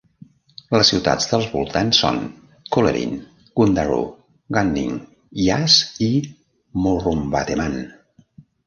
Les ciutats dels voltants són Cullerin, Gundaroo, Gunning, Yass i Murrumbateman.